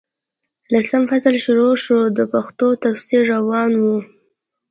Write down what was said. لسم فصل شروع شو، د پیښو تفصیل روان وو.